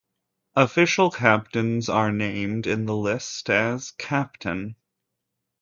Official captains are named in the list as "Captain".